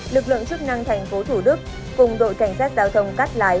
lực lượng chức năng thành phố thủ đức cùng đội cảnh sát giao thông cát lái